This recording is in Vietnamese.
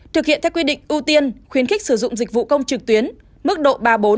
thực hiện theo quy định ưu tiên khuyến khích sử dụng dịch vụ công trực tuyến mức độ ba bốn